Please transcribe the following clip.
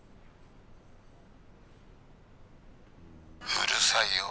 「うるさいよ